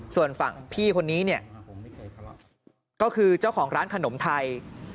ส่วนฝั่งพี่คนนี้เนี่ยก็คือเจ้าของร้านขนมไทย